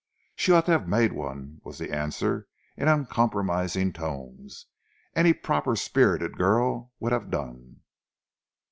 "She ought to have made one," was the answer in uncompromising tones. "Any proper spirited girl would have done."